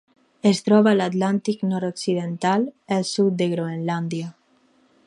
Es troba a l'Atlàntic nord-occidental: el sud de Groenlàndia.